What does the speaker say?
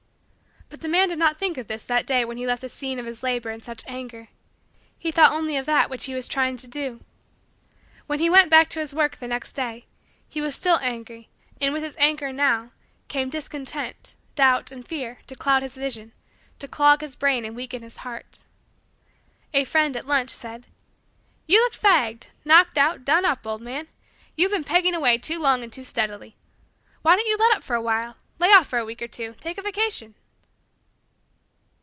But the man did not think of this that day when he left the scene of his labor in such anger. He thought only of that which he was trying to do. When he went back to his work, the next day, he was still angry and with his anger, now, came discontent, doubt, and fear, to cloud his vision, to clog his brain and weaken his heart. A friend, at lunch, said: "You look fagged, knocked out, done up, old man. You've been pegging away too long and too steadily. Why don't you let up for awhile? Lay off for a week or two. Take a vacation."